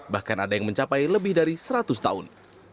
bahkan ada yang mencapai lebih dari seratus tahun